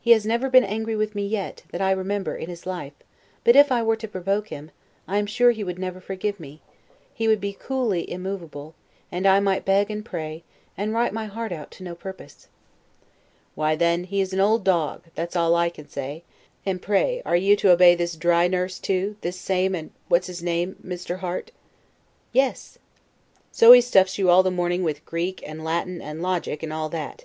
He has never been angry with me yet, that I remember, in his life; but if I were to provoke him, I am sure he would never forgive me; he would be coolly immovable, and I might beg and pray, and write my heart out to no purpose. Englishman. Why, then, he is an old dog, that's all I can say; and pray are you to obey your dry nurse too, this same, and what's his name Mr. Harte? Stanhope. Yes. Englishman. So he stuffs you all morning with Greek, and Latin, and Logic, and all that.